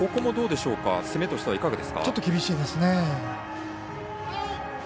ちょっと厳しいですね。